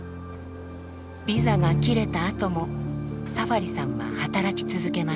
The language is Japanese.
ビザが切れたあともサファリさんは働き続けました。